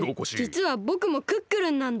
じつはぼくもクックルンなんだ！